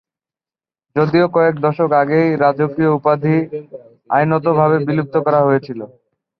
যদিও কয়েক দশক আগেই রাজকীয় উপাধি আইনত ভাবে বিলুপ্ত করা হয়েছিল।